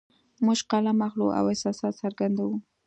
موږ قلم اخلو او احساسات څرګندوو